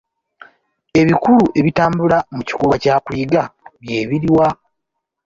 Ebikulu ebitabula mu kikolwa kya kuyiga bye biriwa?